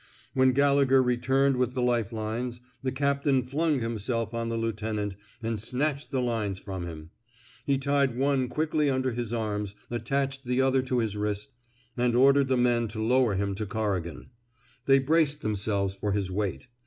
When Gallegher returned with the life lines, the captain flung himself on the lieu tenant, and snatched the lines from him. He tied one quickly under his arms, attached the other to his wrist, and ordered the men to lower him to Corrigan'. They braced themselves for his weight.